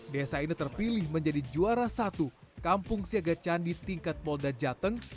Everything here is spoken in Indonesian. desa ini terpilih menjadi juara satu kampung siaga candi tingkat polda jateng